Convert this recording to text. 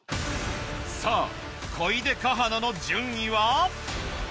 さぁ小出夏花の順位は？